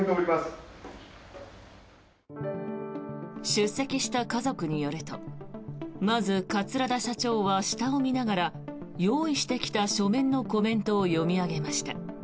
出席した家族によるとまず、桂田社長は下を見ながら用意してきた書面のコメントを読み上げました。